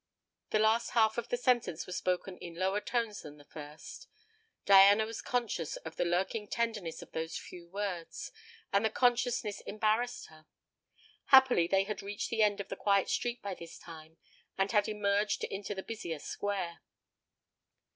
The last half of the sentence was spoken in lower tones than the first. Diana was conscious of the lurking tenderness of those few words, and the consciousness embarrassed her. Happily they had reached the end of the quiet street by this time, and had emerged into the busier square.